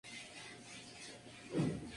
El árbitro suspendió el partido.